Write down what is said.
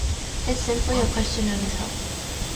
It's simply a question of his health.